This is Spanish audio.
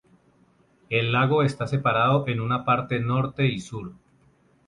El lago está separado en una parte norte y sur.